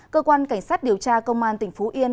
cơ quan cảnh sát điều tra công an tỉnh phú yên